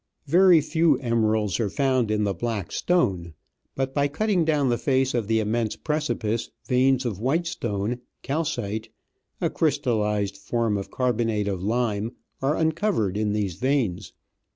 Very few emeralds are found in the black stone, but by cutting WATER WASHING PROCESS IN THE EMERALD MINE. down the face of the immense precipice veins of white stone, calcite, a crystallised form of carbonate of lime, are uncovered in these veins.